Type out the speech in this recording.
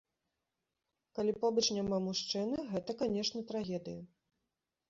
Калі побач няма мужчыны, гэта, канешне, трагедыя.